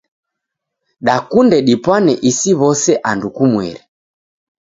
Dakunde dipwane isi w'ose andu kumweri.